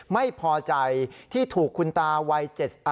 ไม่พอใจที่ถูกคุณตาวัย๗๘